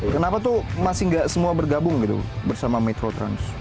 kenapa tuh masih gak semua bergabung gitu bersama metro trans